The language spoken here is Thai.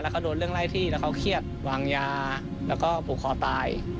เขาโดนเรื่องไล่ที่แล้วเขาเครียดวางยาแล้วก็ผูกคอตาย